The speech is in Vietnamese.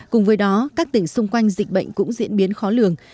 cùng với đó các tỉnh xung quanh dịch bệnh cũng diễn biến khó lường